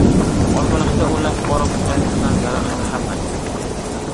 Olmaliqda o‘nlab fuqaro muzqaymoqdan zaharlandi